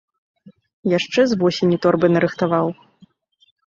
Яшчэ з восені торбы нарыхтаваў.